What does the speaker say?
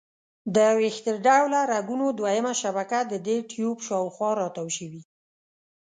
د ویښته ډوله رګونو دویمه شبکه د دې ټیوب شاوخوا را تاو شوي.